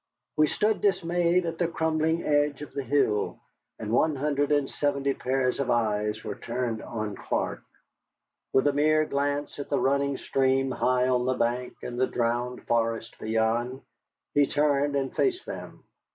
We stood dismayed at the crumbling edge of the hill, and one hundred and seventy pairs of eyes were turned on Clark. With a mere glance at the running stream high on the bank and the drowned forest beyond, he turned and faced them.